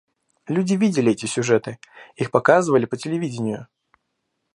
Люди видели эти сюжеты, их показывали по телевидению.